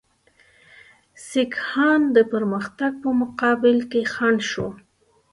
سیکهان د پرمختګ په مقابل کې خنډ شو.